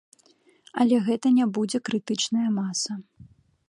Але гэта не будзе крытычная маса.